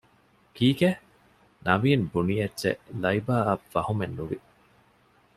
ކީކޭ؟ ނަވީން ބުނި އެއްޗެއް ލައިބާއަށް ފަހުމެއް ނުވި